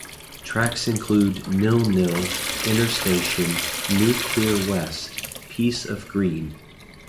Tracks include "Nil-Nil", "Inner Station", "New Clear Twist", "Piece of Green".